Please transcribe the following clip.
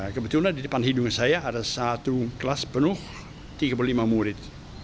kebetulan di depan hidung saya ada satu kelas penuh tiga puluh lima murid